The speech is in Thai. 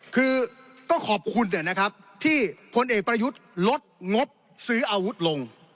คือก็ขอบคุณนะครับที่พลเอกประยุทธ์ลดงบซื้ออาวุธลง